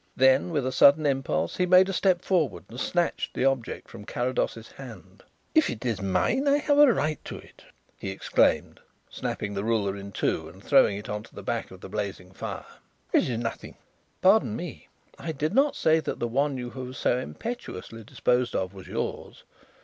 Then, with a sudden impulse, he made a step forward and snatched the object from Carrados's hand. "If it is mine I have a right to it," he exclaimed, snapping the ruler in two and throwing it on to the back of the blazing fire. "It is nothing." "Pardon me, I did not say that the one you have so impetuously disposed of was yours.